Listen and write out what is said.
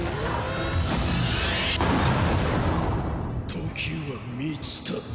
時は満ちた。